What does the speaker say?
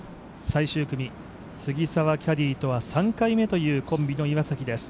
最終組、杉澤キャディーとは３回目というコンビの岩崎です。